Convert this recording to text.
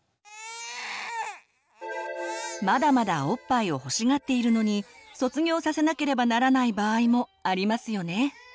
まだまだおっぱいを欲しがっているのに卒業させなければならない場合もありますよね。